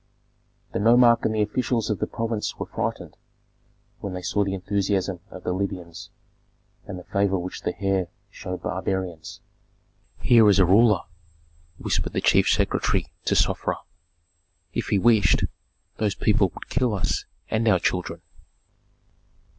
The nomarch and the officials of the province were frightened, when they saw the enthusiasm of the Libyans, and the favor which the heir showed barbarians. "Here is a ruler!" whispered the chief secretary to Sofra. "If he wished, those people would kill us and our children."